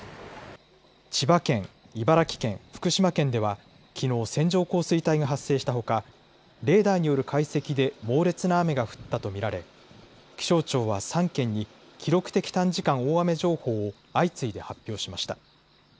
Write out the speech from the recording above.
千葉県、茨城県、福島県ではきのう線状降水帯が発生したほかレーダーによる解析で猛烈な雨が降ったと見られ、気象庁は３県に記録的短時間大雨情報を相次いで発表しました。